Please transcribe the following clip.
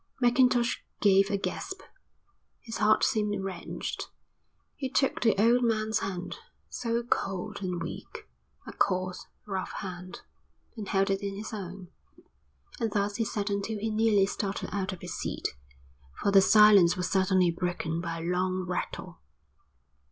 Mackintosh gave a gasp. His heart seemed wrenched. He took the old man's hand, so cold and weak, a coarse, rough hand, and held it in his own. And thus he sat until he nearly started out of his seat, for the silence was suddenly broken by a long rattle.